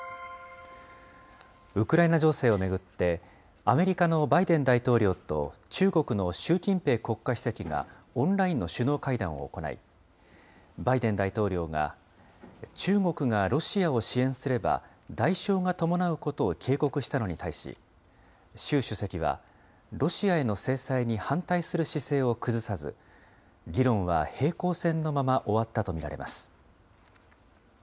ウクライナ情勢を巡って、アメリカのバイデン大統領と、中国の習近平国家主席がオンラインの首脳会談を行い、バイデン大統領が、中国がロシアを支援すれば、代償が伴うことを警告したのに対し、習主席はロシアへの制裁に反対する姿勢を崩さず、議論は平行線のまま終わったと見られます。